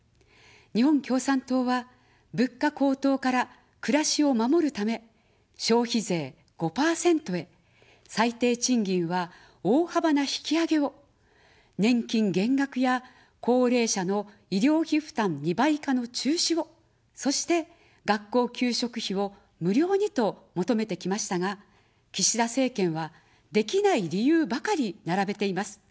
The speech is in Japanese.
日本共産党は、物価高騰から暮らしを守るため、消費税５％へ、最低賃金は大幅な引き上げを、年金減額や高齢者の医療費負担２倍化の中止を、そして学校給食費を無料にと求めてきましたが、岸田政権はできない理由ばかり並べています。